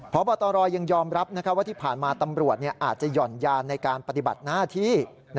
พบตรยังยอมรับว่าที่ผ่านมาตำรวจอาจจะหย่อนยานในการปฏิบัติหน้าที่